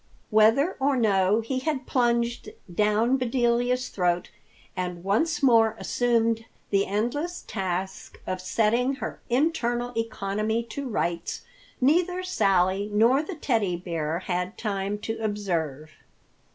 Whether or no he had plunged down Bedelia's throat and once more assumed the endless task of setting her internal economy to rights, neither Sally nor the Teddy Bear had time to observe.